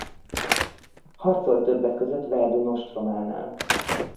Harcolt többek között Verdun ostrománál.